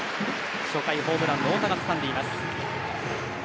初回にホームランの太田がつかんでいます。